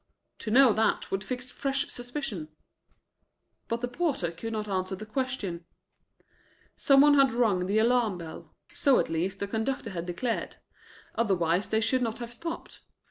To know that would fix fresh suspicion. But the porter could not answer the question. Some one had rung the alarm bell so at least the conductor had declared; otherwise they should not have stopped.